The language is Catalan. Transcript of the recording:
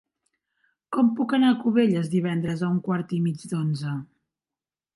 Com puc anar a Cubelles divendres a un quart i mig d'onze?